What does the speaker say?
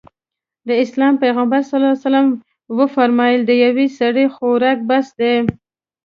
د اسلام پيغمبر ص وفرمايل د يوه سړي خوراک بس دی.